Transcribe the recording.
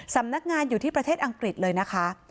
สำนักงานอยู่ที่ประเทศอังกฤษเลยนะคะ